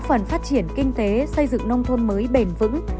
góp phần phát triển kinh tế xây dựng nông thôn mới bền vững